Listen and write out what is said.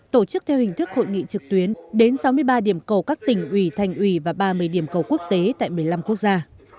trước tuyến đến sáu mươi ba điểm cầu các tỉnh ủy thành ủy và ba mươi điểm cầu quốc tế tại một mươi năm quốc gia